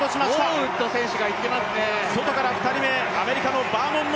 ノーウッド選手がいっていますね。